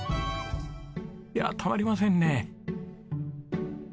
いやあたまりませんね。